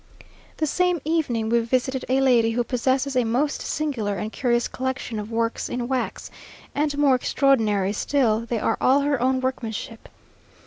The same evening, we visited a lady who possesses a most singular and curious collection of works in wax; and more extraordinary still, they are all her own workmanship.